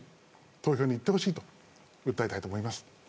投票に行ってほしいと訴えたいと思います。